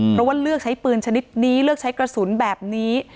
เพราะว่าเลือกใช้ปืนชนิดนี้เลือกใช้กระสุนแบบนี้